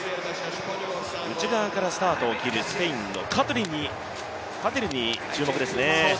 内側からスタートを切るスペインのカティルに注目ですね。